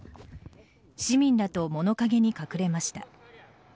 市民らと物陰に隠れました。